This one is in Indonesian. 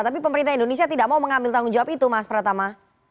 tapi pemerintah indonesia tidak mau mengambil tanggung jawab itu mas pratama